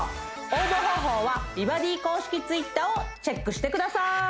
応募方法は美バディ公式Ｔｗｉｔｔｅｒをチェックしてください